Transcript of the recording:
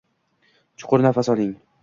Chuqur nafas oling.